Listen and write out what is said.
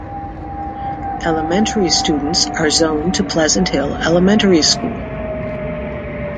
Elementary students are zoned to Pleasant Hill Elementary School.